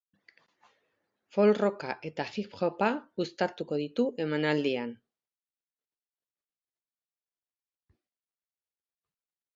Folk-rocka eta hip-hopa uztartuko ditu emanaldian.